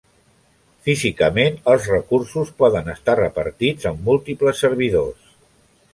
Físicament els recursos poden estar repartits en múltiples servidors.